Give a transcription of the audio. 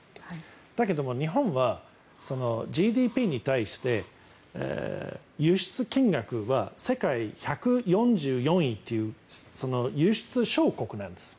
だけど、日本はＧＤＰに対して輸出金額は世界１４４位という輸出小国なんです。